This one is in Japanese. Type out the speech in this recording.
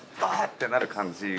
「ああ！」ってなる感じ